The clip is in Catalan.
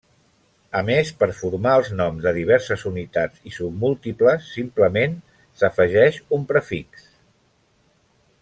A més, per formar els noms de diverses unitats i submúltiples simplement s'afegeix un prefix.